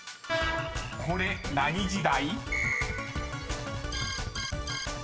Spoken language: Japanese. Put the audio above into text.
［これ何時代？］